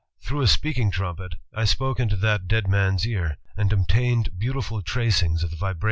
Through a speaking trumpet I spoke into that dead man's ear, and obtained beautiful tracings of the vibrations upon smoked glass."